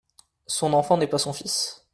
Son enfant n'est pas son fils.